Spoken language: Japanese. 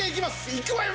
いくわよ！